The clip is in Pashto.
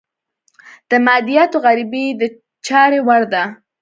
د مادیاتو غريبي د چارې وړ ده.